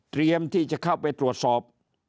เตรียมที่จะเข้าไปตรวจสอบ